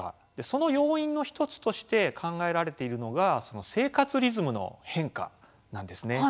その要因の１つとして考えられているのが生活リズムの変化なんですね。